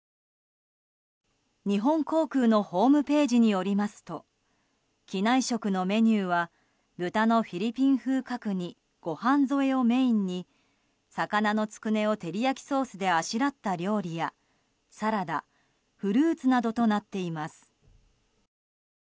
日本航空のホームページによりますと機内食のメニューは豚のフィリピン風角煮ご飯添えをメインに魚のつくねを照り焼きソースであしらった料理やサラダ、フルーツなどとなっています。